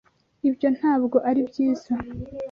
Ibyo ntabwo ari byiza.